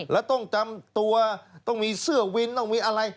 แล้วต้องจำตัวต้องมีเสื้อวินต้องมีอะไร